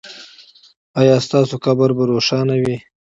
ایا ستاسو قبر به روښانه وي؟